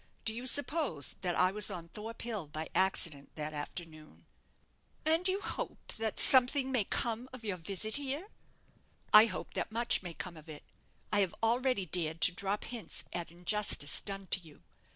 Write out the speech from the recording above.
Do you suppose that I was on Thorpe Hill by accident that afternoon?" "And you hope that something may come of your visit here?" "I hope that much may come of it. I have already dared to drop hints at injustice done to you.